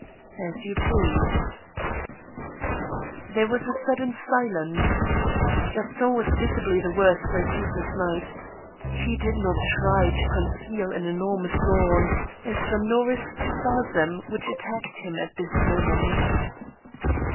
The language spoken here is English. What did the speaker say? " As you please." There was a sudden silence. Gaston was visibly the worse for his sleepless night. He did not' try to conceal an enormous yawn, a sonorous spasm which attacked him at this moment.